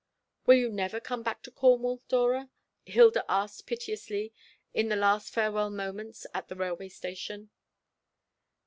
"Will you never come back to Cornwall, Dora?" Hilda asked piteously, in the last farewell moments at the railway station.